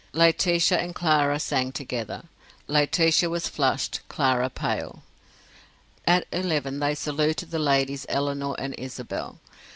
Laetitia and Clara sang together. Laetitia was flushed, Clara pale. At eleven they saluted the ladies Eleanor and Isabel.